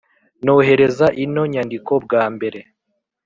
nohereza ino nyandiko bwa mbere,